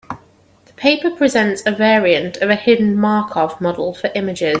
The paper presents a variant of a hidden Markov model for images.